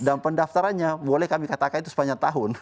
dan pendaftarannya boleh kami katakan itu sepanjang tahun